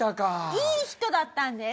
いい人だったんです。